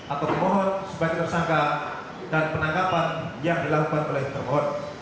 atau penguasa hukum sebagai tersangka dan penanggapan yang dilakukan oleh penguasa hukum